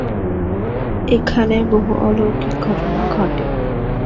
এখানে বহু অলৌকিক ঘটনা ঘটে।